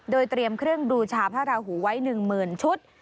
โดยเตรียมเครื่องบูชาพระราหูไว้หนึ่งหมื่นชุด